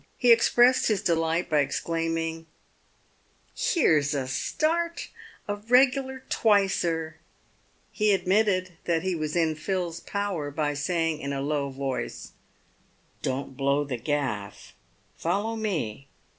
He expressed his delight by exclaiming, " Here's a start ! a reg'lar twicer !" He admitted that he was in Phil's power by saying, in a low voice, " Don't blow the gaff — follow me."